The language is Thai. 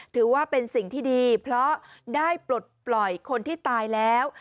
ถือว่าเป็นสิ่งที่ดีเพราะได้ปลดปล่อยคนที่ตายแล้ว